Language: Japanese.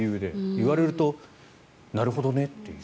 言われるとなるほどねと。